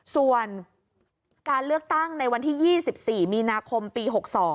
ส่วนการเลือกตั้งในวันที่๒๔มีนาคมปี๖๒